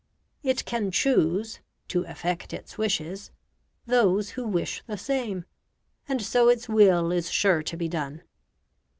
It can choose, to effect its wishes, those who wish the same; and so its will is sure to be done.